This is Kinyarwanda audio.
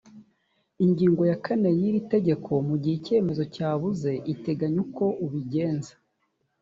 ingingo ya kane y’ iri tegeko mu gihe icyemezo cyabuze iteganya uko ubigenza